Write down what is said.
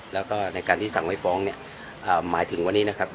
แล้วก็ในการที่สั่งไม่ฟ้องเนี่ยหมายถึงวันนี้นะครับ